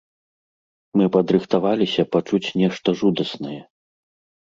Мы падрыхтаваліся пачуць нешта жудаснае.